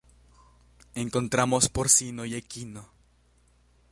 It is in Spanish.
Encontramos porcino y equino.